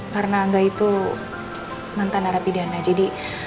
karena angga itu nantan arabidiana jadi